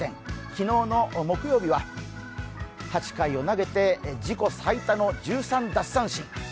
昨日の木曜日は、８回を投げて自己最多の１３奪三振。